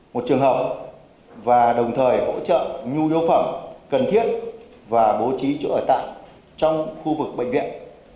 một trường hợp và đồng thời hỗ trợ nhu yếu phẩm cần thiết và bố trí chỗ ở tạm trong khu vực bệnh viện